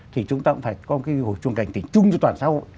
thì chúng ta cũng phải có một cái hội trung cảnh tỉnh chung cho toàn xã hội